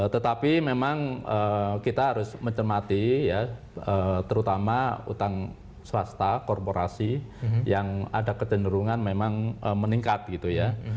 tetapi memang kita harus mencermati ya terutama utang swasta korporasi yang ada kecenderungan memang meningkat gitu ya